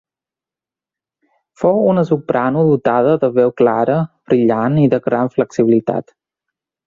Fou una soprano dotada de veu clara, brillant i de gran flexibilitat.